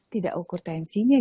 tidak ukur tensinya